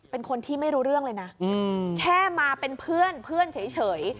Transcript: เป็นคนที่ไม่รู้เรื่องเลยนะแค่มาเป็นเพื่อนเพื่อนเฉย